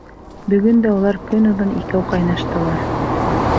Бөгөн дә улар көн оҙон икәү ҡайнаштылар.